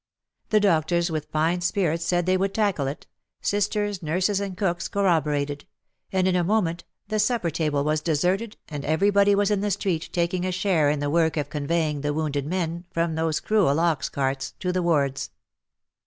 The doctors with fine spirit said they would tackle it, the sisters, nurses and cooks corroborated, and in a moment the supper table was deserted and everybody was in the street taking a share in the work of conveying the wounded men from those cruel ox carts to the wards.